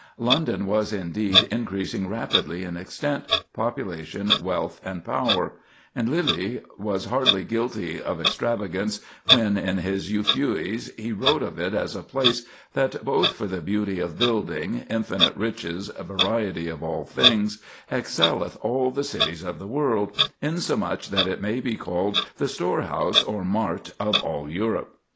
London was indeed increasing rapidly in extent, population, wealth, and power; and Lyly was hardly guilty of extravagance when, in his "Euphues," he wrote of it as a place that "both for the beauty of building, infinite riches, variety of all things," "excelleth all the cities of the world; insomuch that it may be called the storehouse or mart of all Europe."